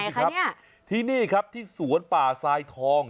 ที่ไหนคะเนี้ยที่นี่ครับที่สวนป่าซายทอง